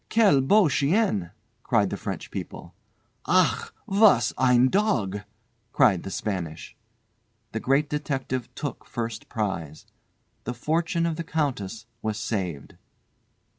"Quel beau chien!" cried the French people. "Ach! was ein Dog!" cried the Spanish. The Great Detective took the first prize! The fortune of the Countess was saved.